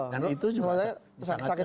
dan itu juga sangat ceria